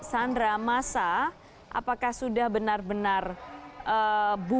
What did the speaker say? sandra massa apakah sudah benar benar bubuk